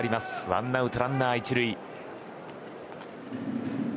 ワンアウトランナー、１塁。